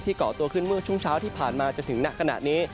เกาะตัวขึ้นเมื่อช่วงเช้าที่ผ่านมาจนถึงณขณะนี้